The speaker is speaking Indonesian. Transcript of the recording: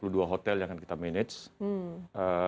dua hotel yang akan kita manage